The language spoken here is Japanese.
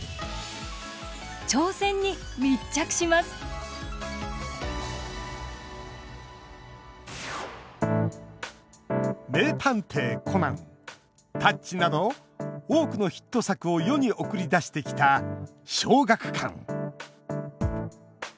挑戦に密着します「名探偵コナン」「タッチ」など多くのヒット作を世に送り出してきた、小学館。